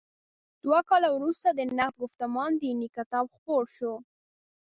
دوه کاله وروسته د «نقد ګفتمان دیني» کتاب خپور شو.